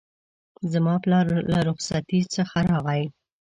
زما پلار له رخصتی څخه راغی